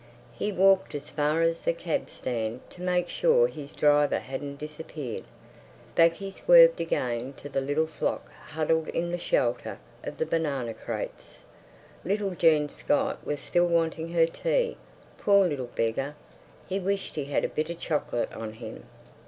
He walked as far as the cab stand to make sure his driver hadn't disappeared; back he swerved again to the little flock huddled in the shelter of the banana crates. Little Jean Scott was still wanting her tea. Poor little beggar! He wished he had a bit of chocolate on him.